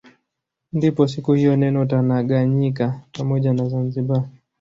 Ndipo siku hiyo neno Tanaganyika pamoja na Zanzibar